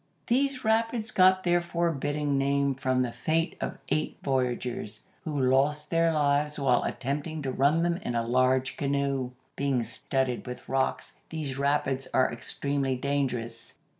These rapids got their forbidding name from the fate of eight voyagers, who lost their lives while attempting to run them in a large canoe. Being studded with rocks, these rapids are extremely dangerous.